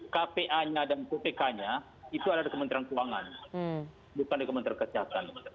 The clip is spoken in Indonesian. kpa nya dan kpk nya itu adalah dari kementerian keuangan bukan dari kementerian kesehatan